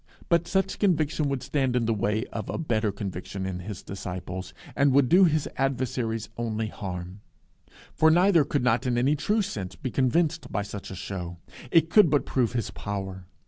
But such conviction would stand in the way of a better conviction in his disciples, and would do his adversaries only harm. For neither could not in any true sense be convinced by such a show: it could but prove his power.